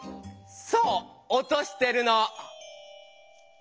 そう落としてるの。